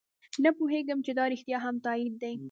نه پوهېږو چې دا رښتیا هم تایید دی.